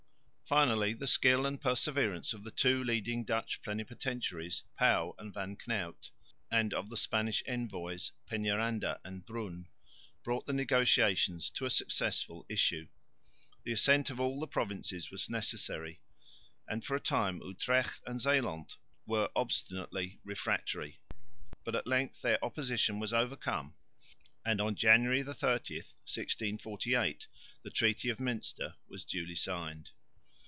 Finally the skill and perseverance of the two leading Dutch plenipotentiaries, Pauw and Van Knuyt, and of the Spanish envoys, Peñaranda and Brun, brought the negotiations to a successful issue. The assent of all the provinces was necessary, and for a time Utrecht and Zeeland were obstinately refractory, but at length their opposition was overcome; and on January 30,1648, the treaty of Münster was duly signed.